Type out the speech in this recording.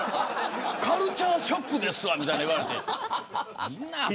カルチャーショックですわみたいに言われて。